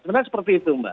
sebenarnya seperti itu mbak